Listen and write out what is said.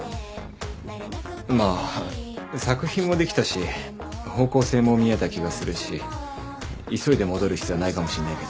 まあ作品もできたし方向性も見えた気がするし急いで戻る必要ないかもしんないけど。